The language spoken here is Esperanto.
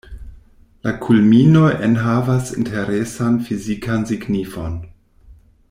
La kulminoj enhavas interesan fizikan signifon.